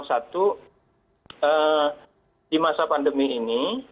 satu di masa pandemi ini